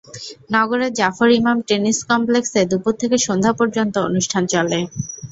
নগরের জাফর ইমাম টেনিস কমপ্লেক্সে দুপুর থেকে সন্ধ্যা পর্যন্ত অনুষ্ঠান চলে।